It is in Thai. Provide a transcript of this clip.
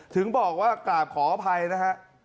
ถึงบอกว่ากราบขออภัยนะฮะ